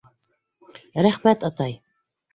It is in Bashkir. Рәхмәт, атай.